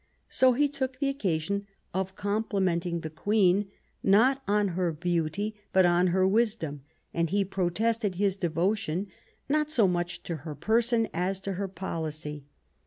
So he took the occasion of complimenting the Queen, not on her beauty, but on her wisdom ; and he protested his devotion, not so much to her person, as to her policy.